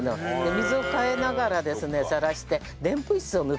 水を替えながらですねさらしてでんぷん質を抜くんです。